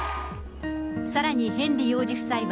さらにヘンリー王子夫妻は、